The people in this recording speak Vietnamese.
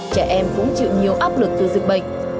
trẻ em cũng chịu nhiều áp lực từ dịch bệnh